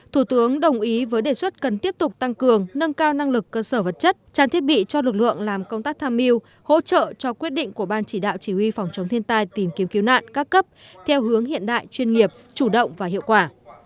thủ tướng đồng ý với đề xuất cần tiếp tục tăng cường nâng cao năng lực cơ sở vật chất trang thiết bị cho lực lượng làm công tác tham mưu hỗ trợ cho quyết định của ban chỉ đạo chỉ huy phòng chống thiên tai tìm kiếm cứu nạn các cấp theo hướng hiện đại chuyên nghiệp chủ động và hiệu quả